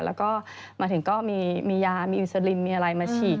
แล้วก็มาถึงก็มียามีอิสลิมมีอะไรมาฉีก